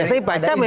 nah saya baca memang